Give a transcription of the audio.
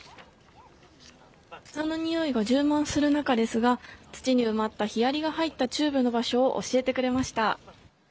草のにおいが充満する中ですがヒアリが入ったチューブの場所を教えてくれました。